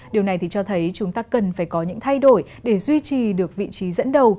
điều này thì cho thấy chúng ta cần phải có những thay đổi để duy trì được vị trí dẫn đầu